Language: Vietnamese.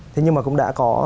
thế nhưng mà cũng đã có